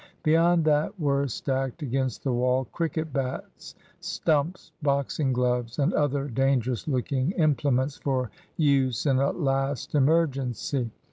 Beyond that were stacked against the wall cricket bats, stumps, boxing gloves, and other dangerous looking implements, for use in a last emergency.